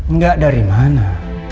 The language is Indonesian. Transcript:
enggak dari mana